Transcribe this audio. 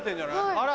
あら？